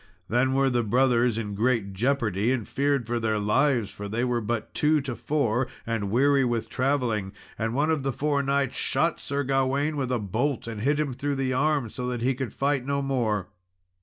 Then were the brothers in great jeopardy, and feared for their lives, for they were but two to four, and weary with travelling; and one of the four knights shot Sir Gawain with a bolt, and hit him through the arm, so that he could fight no more.